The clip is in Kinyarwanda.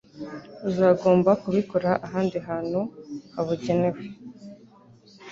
Uzagomba kubikora ahandi hantu habujyene we